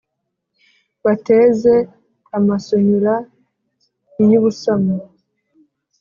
bateze amasonyura iy' ubusamo